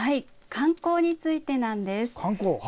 観光についてなんです。